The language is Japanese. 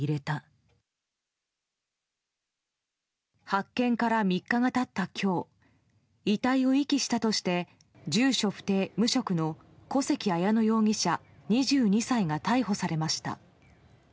発見から３日が経った今日遺体を遺棄したとして住所不定・無職の小関彩乃容疑者、２２歳が逮捕されました。